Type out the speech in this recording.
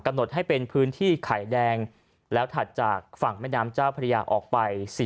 หดให้เป็นพื้นที่ไข่แดงแล้วถัดจากฝั่งแม่น้ำเจ้าพระยาออกไป